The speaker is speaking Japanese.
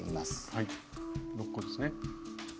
はい６個ですね。